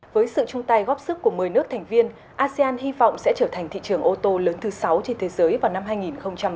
với sự chung tay góp sức của một mươi nước thành viên asean hy vọng sẽ trở thành thị trường ô tô lớn thứ sáu trên thế giới